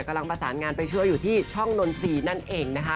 กำลังประสานงานไปช่วยอยู่ที่ช่องนนทรีย์นั่นเองนะคะ